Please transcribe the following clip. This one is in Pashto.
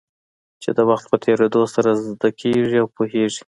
چې د وخت په تېرېدو سره زده کېږي او پوهېږې.